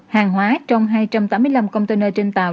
hàng hóa trong hai trăm tám mươi năm container trên tàu